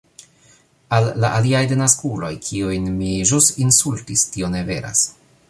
Al la aliaj denaskuloj, kiujn mi ĵus insultis tio ne veras